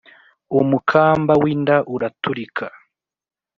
Umukamba w'inda uraturika